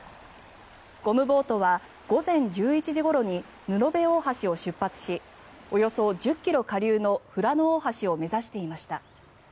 ゴムボートは午前１１時ごろに布部大橋を出発しおよそ１０ｋｍ下流の富良野大橋を目指していました。